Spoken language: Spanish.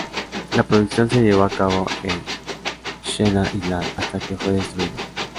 La producción se llevó a cabo en Sheena Island, hasta que fue destruida.